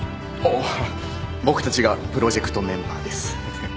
おお僕たちがプロジェクトメンバーです。